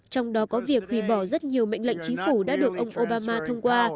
trong đó có việc hủy bỏ rất nhiều mệnh lệnh chính phủ đã được ông obama thông qua